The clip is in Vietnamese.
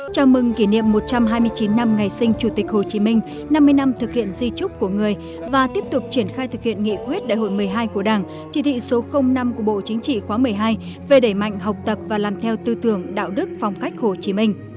chào mừng kỷ niệm một trăm hai mươi chín năm ngày sinh chủ tịch hồ chí minh năm mươi năm thực hiện di trúc của người và tiếp tục triển khai thực hiện nghị quyết đại hội một mươi hai của đảng chỉ thị số năm của bộ chính trị khóa một mươi hai về đẩy mạnh học tập và làm theo tư tưởng đạo đức phong cách hồ chí minh